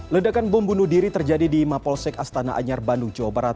ledakan bom bunuh diri terjadi di mapolsek astana anyar bandung jawa barat